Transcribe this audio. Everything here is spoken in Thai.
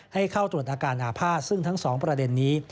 ให้เข้าตรวจอาการอาภาษณ์ซึ่งทั้งสองประเด็นนี้